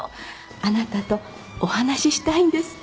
あなたとお話ししたいんですって。